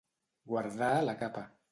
Guardar la capa.